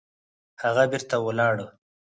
هغه بېرته ولاړه